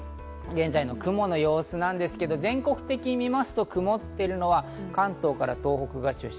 現在の雲の様子なんですが、全国的に見ますと、曇っているのは関東から東北が中心。